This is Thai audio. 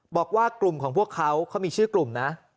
บอกว่ากลุ่มของพวกเขาเขามีชื่อกลุ่มนะ